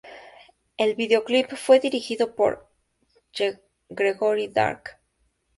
El video clip fue dirigido por Gregory Dark.